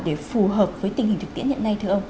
để phù hợp với tình hình thực tiễn hiện nay thưa ông